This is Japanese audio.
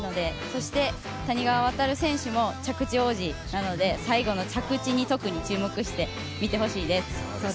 そして、谷川航選手も着地王子なので最後の着地に特に注目して見てほしいです。